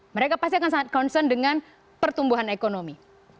mereka pasti akan sangat concern dengan pertumbuhan ekonomi